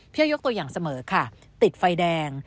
ยกตัวอย่างเสมอค่ะติดไฟแดง